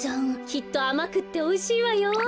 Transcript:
きっとあまくっておいしいわよ。